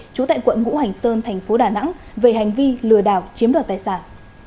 trú tại quận ngũ hành sơn thành phố đà nẵng về hành vi lừa đảo chiếm đoạt tài sản